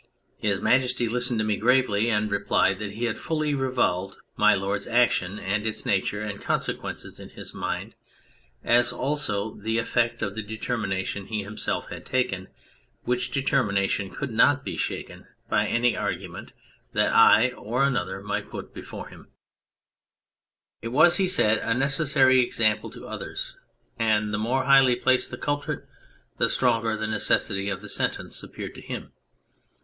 His Majesty listened to me gravely, and replied that he had fully revolved My Lord's action, and its nature and consequence, in his mind, as also the effect of the determination he himself had taken, which determination could not be shaken by any argument that I or another might put before him. 90 A Secret Letter It was (he said) a necessary example to others, and the more highly placed the culprit the stronger the necessity of the sentence appeared to him.